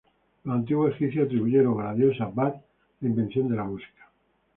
Los antiguos egipcios atribuyeron a la diosa Bat la invención de la música.